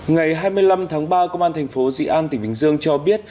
ngày hai mươi năm tháng ba công an thành phố dị an tỉnh bình dương cho biết